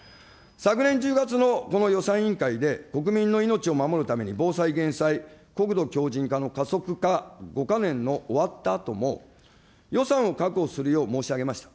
昨年１０月のこの予算委員会で、国民の命を守るために防災・減災、国土強じん化の加速化５か年の終わったあとも、予算を確保するよう申し上げました。